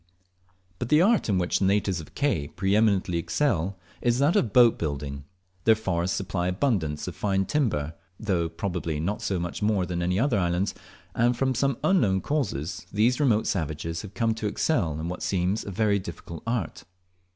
But the art in which the natives of Ke pre eminently excel is that of boat building. Their forests supply abundance of fine timber, though, probably not more so than many other islands, and from some unknown causes these remote savages have come to excel in what seems a very difficult art.